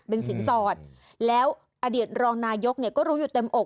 เป็นสินสอดแล้วอดีตรองนายกเนี่ยก็รู้อยู่เต็มอก